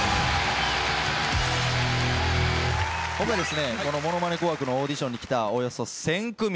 今回『ものまね紅白』のオーディションに来たおよそ１，０００組。